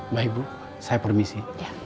baik bu saya permisi